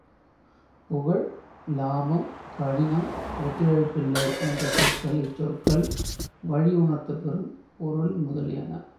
புகழ், இலாபம், கடினம், ஒத்துழைப்பில்லை என்ற சொற்கள், இச்சொற்கள் வழி உணர்த்தப்பெறும் பொருள் முதலியன சோம்பலுக்கே சுருதி கூட்டுவதாகும்.